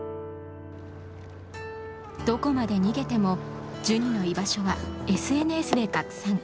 どこまで逃げてもジュニの居場所はＳＮＳで拡散。